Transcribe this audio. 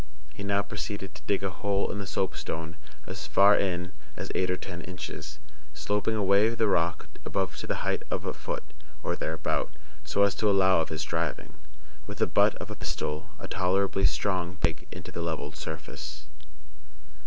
He now proceeded to dig a deep hole in the soapstone (as far in as eight or ten inches), sloping away the rock above to the height of a foot, or thereabout, so as to allow of his driving, with the butt of a pistol, a tolerably strong peg into the levelled surface.